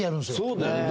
そうだよね。